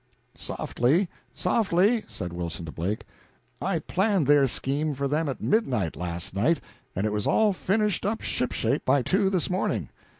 "Softly, softly," said Wilson to Blake. "I planned their scheme for them at midnight last night, and it was all finished up shipshape by two this morning.